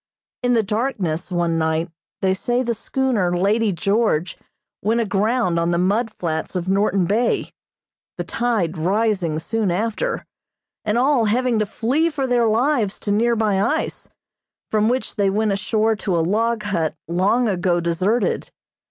In the darkness, one night, they say the schooner "Lady George" went aground on the mud flats of Norton Bay, the tide rising soon after, and all having to flee for their lives to nearby ice, from which they went ashore to a log hut long ago deserted.